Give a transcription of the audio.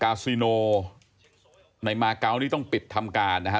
ซิโนในมาเกาะนี่ต้องปิดทำการนะฮะ